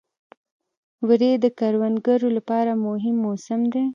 وری د کروندګرو لپاره مهم موسم دی.